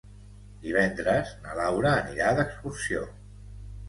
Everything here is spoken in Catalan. Divendres na Laura anirà d'excursió.